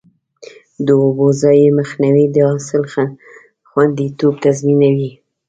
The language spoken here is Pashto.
د اوبو ضایع مخنیوی د حاصل خوندیتوب تضمینوي.